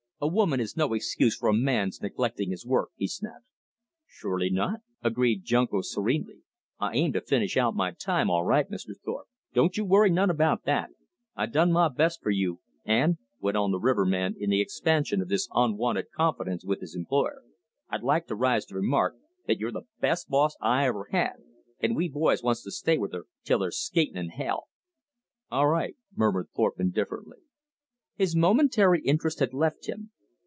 "A woman is no excuse for a man's neglecting his work," he snapped. "Shorely not," agreed Junko serenely. "I aim to finish out my time all right, Mr. Thorpe. Don't you worry none about that. I done my best for you. And," went on the riverman in the expansion of this unwonted confidence with his employer, "I'd like to rise to remark that you're the best boss I ever had, and we boys wants to stay with her till there's skating in hell!" "All right," murmured Thorpe indifferently. His momentary interest had left him.